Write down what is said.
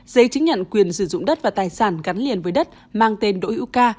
giấy chứng nhận quyền sử dụng đất và tài sản gắn liền với đất mang tên đỗ hữu ca